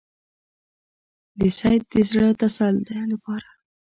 د سید د زړه تسل لپاره.